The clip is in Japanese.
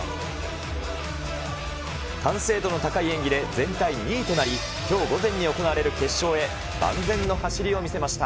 完成度の高い演技で、全体２位となり、きょう午前に行われる決勝へ、万全の走りを見せました。